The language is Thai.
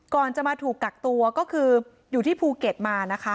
ก่อนจะมาถูกกักตัวก็คืออยู่ที่ภูเก็ตมานะคะ